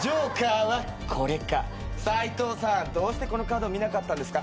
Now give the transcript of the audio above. サイトウさんどうしてこのカードを見なかったんですか？